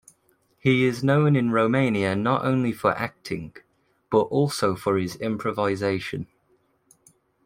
He is known in Romania not only for acting, but also for his improvisation.